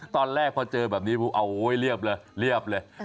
ตอนแรกพอเจอแบบนี้เอาไว้เรียบเลยเรียบเลย